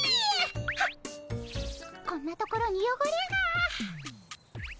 はっこんなところによごれが。